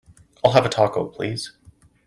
I'll have a Taco, please.